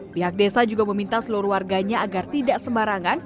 pihak desa juga meminta seluruh warganya agar tidak sembarangan